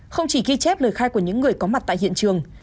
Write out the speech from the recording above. không chỉ ghi chép lời khai của những người có mặt tại hiện trường